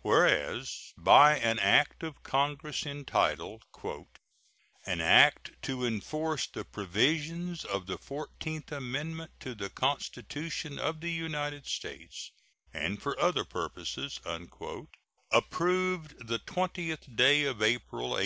Whereas by an act of Congress entitled "An act to enforce the provisions of the fourteenth amendment to the Constitution of the United States, and for other purposes," approved the 20th day of April, A.